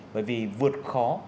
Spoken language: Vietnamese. bởi vì vượt khó